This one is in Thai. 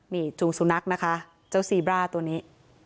นี่จูงสุนัขนะคะเจ้าซีบร่าตัวนี้